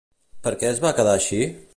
Per què es va quedar així?